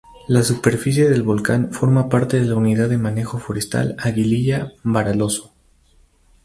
La superficie del volcán forma parte de la unidad de manejo forestal Aguililla-Varaloso.